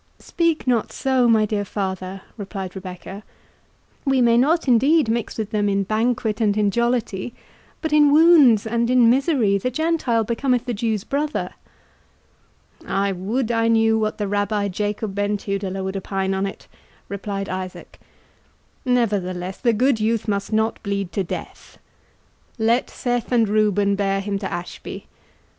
"Speak not so, my dear father," replied Rebecca; "we may not indeed mix with them in banquet and in jollity; but in wounds and in misery, the Gentile becometh the Jew's brother." "I would I knew what the Rabbi Jacob Ben Tudela would opine on it," replied Isaac;—"nevertheless, the good youth must not bleed to death. Let Seth and Reuben bear him to Ashby."